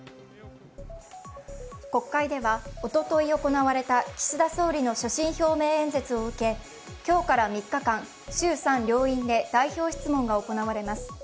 国会ではおととい行われた岸田総理の所信表明演説を受け今日から３日間、衆参両院で代表質問が行われます。